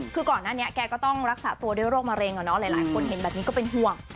คือก่อนหน้านี้แกก็ต้องรักษาตัวด้วยโรคมะเร็งหลายคนเห็นแบบนี้ก็เป็นห่วง